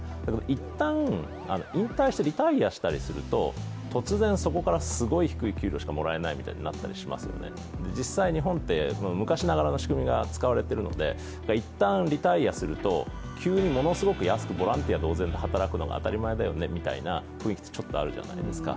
一旦、引退してリタイアしたりすると、突然そこからすごい低い給料しかもらえないとかありますよね、実際日本って昔ながらの仕組みが使われてるので一旦リタイアすると急にものすごく安くボランティア同然で働くのが当たり前だよねみたいな雰囲気ってちょっとあるじゃないですか。